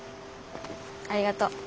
ありがとう。